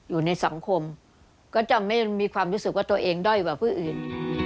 อยู่ในสังคมก็จะไม่มีความรู้สึกว่าตัวเองด้อยกว่าผู้อื่น